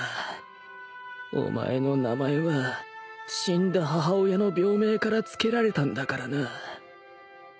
お前の名前は死んだ母親の病名からつけられたんだからなぁ